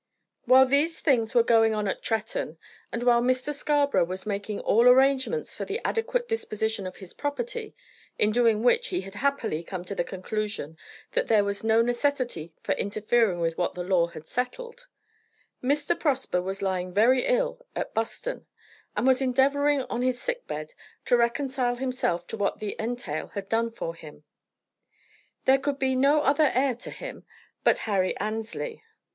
While these things were going on at Tretton, and while Mr. Scarborough was making all arrangements for the adequate disposition of his property, in doing which he had happily come to the conclusion that there was no necessity for interfering with what the law had settled, Mr. Prosper was lying very ill at Buston, and was endeavoring on his sick bed to reconcile himself to what the entail had done for him. There could be no other heir to him but Harry Annesley.